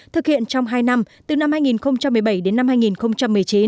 thực hiện trong hai năm từ năm hai nghìn một mươi bảy đến năm hai nghìn một mươi chín